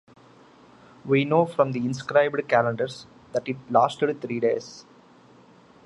We know from the inscribed calendars that it lasted three days.